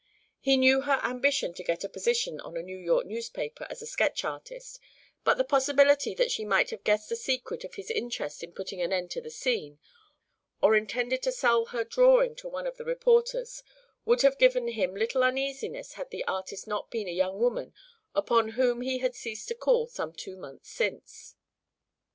He knew her ambition to get a position on a New York newspaper as a sketch artist; but the possibility that she might have guessed the secret of his interest in putting an end to the scene, or intended to sell her drawing to one of the reporters, would have given him little uneasiness had the artist not been a young woman upon whom he had ceased to call some two months since.